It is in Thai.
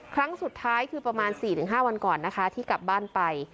ครั้งสุดท้ายคือประมาณ๔๕วันก่อนนะคะที่กลับบ้านไป